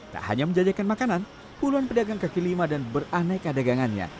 tak hanya menjajakan makanan puluhan pedagang kaki lima dan beraneka dagangannya